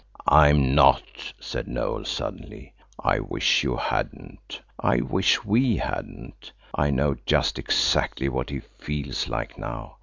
"I'm not," said Noël suddenly, "I wish you hadn't–I wish we hadn't. I know just exactly what he feels like now.